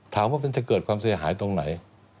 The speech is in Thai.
มันจะเกิดความเสียหายตรงไหน